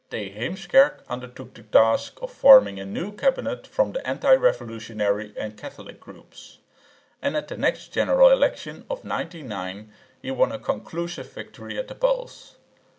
Th. Heemskerk undertook the task of forming a new cabinet from the anti revolutionary and Catholic groups, and at the next general election of 1909 he won a conclusive victory at the polls.